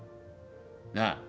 なあ。